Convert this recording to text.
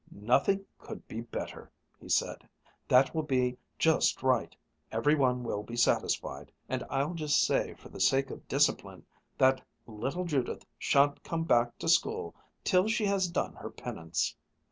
Nothing could be better," he said. "That will be just right every one will be satisfied. And I'll just say for the sake of discipline that little Judith shan't come back to school till she has done her penance.